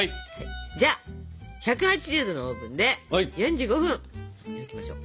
じゃあ１８０℃のオーブンで４５分焼きましょう。